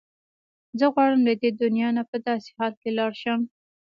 زه غواړم له دې دنیا نه په داسې حال کې لاړه شم.